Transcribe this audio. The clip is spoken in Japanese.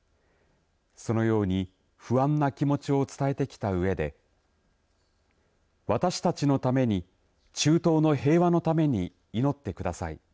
そのように不安な気持ちを伝えてきたうえで私たちのために中東の平和のために祈ってください。